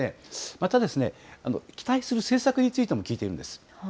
また、期待する政策についても聞いているんです。